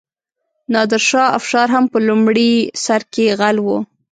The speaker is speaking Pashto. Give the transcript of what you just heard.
نادرشاه افشار هم په لومړي سر کې غل و.